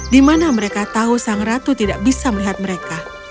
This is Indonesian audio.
di mana mereka tahu sang ratu tidak bisa melihat mereka